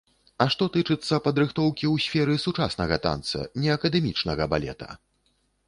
А што тычыцца падрыхтоўкі ў сферы сучаснага танца, не акадэмічнага балета?